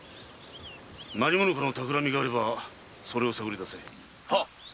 何者かの企みがあればそれを探りだせ。